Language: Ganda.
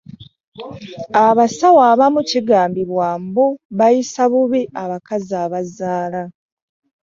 Abasawo abamu kigambibwa mbu bayisa bubi abakazi abazaala.